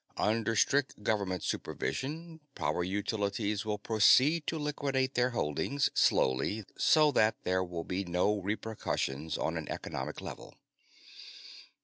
"Under strict Government supervision, Power Utilities will proceed to liquidate their holdings slowly, so that there will be no repercussions on an economic level.